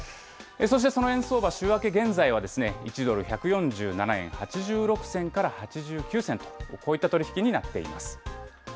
そしてその円相場、週明け、現在は１ドル１４７円８６銭から８９銭と、こういった取り引きになっています。